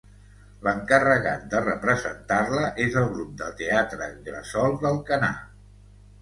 L'encarregat de representar-la és el grup de teatre Gresol d'Alcanar.